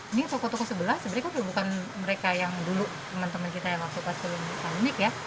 ini toko toko sebelah sebenarnya kok bukan mereka yang dulu teman teman kita yang waktu paselun